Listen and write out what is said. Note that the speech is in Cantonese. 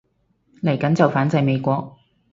嚟緊就反制美國